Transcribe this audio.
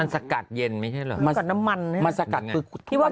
มันสกัดเย็นไม่ใช่เหรอ